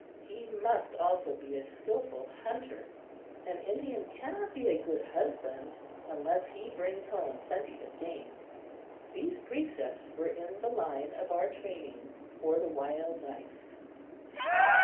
He must also be a skillful hunter. An Indian cannot be a good husband unless he brings home plenty of game. These precepts were in the line of our training for the wild life.